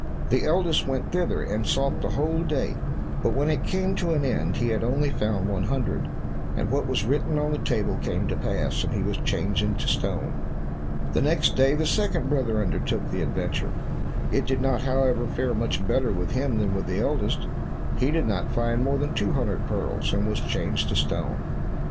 The eldest went thither, and sought the whole day, but when it came to an end, he had only found one hundred, and what was written on the table came to pass, and he was changed into stone. Next day, the second brother undertook the adventure; it did not, however, fare much better with him than with the eldest; he did not find more than two hundred pearls, and was changed to stone.